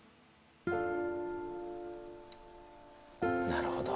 なるほど。